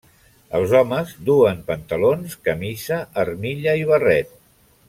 Els homes duen pantalons, camisa, armilla i barret.